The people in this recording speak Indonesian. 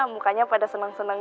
mukanya pada seneng senengnya